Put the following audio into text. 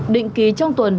định ký trong tuần